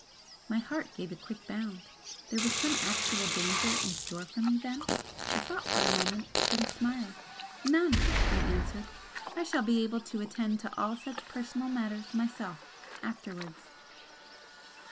My heart gave a quick bound. There was some actual danger in store for me, then? I thought for a moment then smiled. "None!" I answered "I shall be able to attend to all such personal matters myself afterwards!"